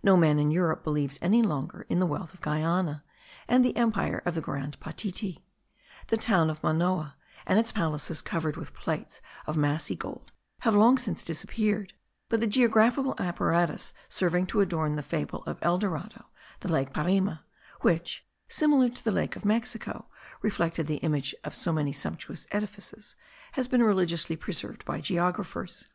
No man in Europe believes any longer in the wealth of Guiana and the empire of the Grand Patiti. The town of Manoa and its palaces covered with plates of massy gold have long since disappeared; but the geographical apparatus serving to adorn the fable of El Dorado, the lake Parima, which, similar to the lake of Mexico, reflected the image of so many sumptuous edifices, has been religiously preserved by geographers.